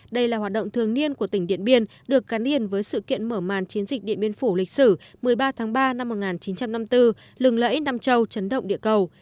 đây là hoạt động thường niên của tỉnh điện biên được gắn liền với sự kiện mở màn chiến dịch điện biên phủ lịch sử một mươi ba tháng ba năm một nghìn chín trăm năm mươi bốn lừng lẫy nam châu chấn động địa cầu